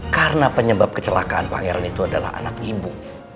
karena penyebab kecelakaan pangeran itu adalah anak ibu